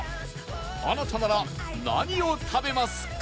あなたなら何を食べますか？